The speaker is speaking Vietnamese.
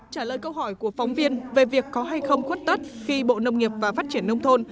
trả lời câu hỏi của phóng viên về việc có hay không khuất tất khi bộ nông nghiệp và phát triển nông thôn